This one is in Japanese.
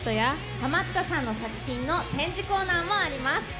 ハマったさんの作品の展示コーナーもあります。